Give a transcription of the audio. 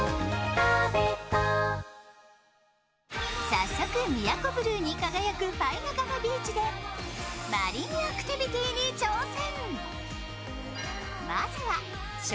早速、宮古ブルーに輝くパイナガマビーチでマリンアクティビティーに挑戦。